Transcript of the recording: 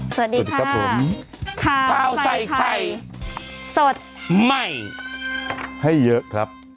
สวัสดีครับผมข่าวใส่ไข่สดใหม่ให้เยอะครับ